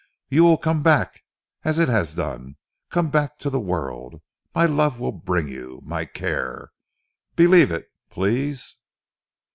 You will come back as it has done, come back to the world. My love will bring you. My care. Believe it, please!"